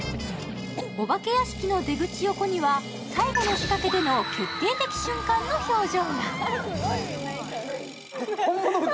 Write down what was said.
お化け屋敷の出口横には最後の仕掛けでの決定的瞬間の表情が。